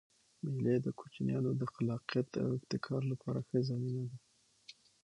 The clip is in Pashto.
مېلې د کوچنيانو د خلاقیت او ابتکار له پاره ښه زمینه ده.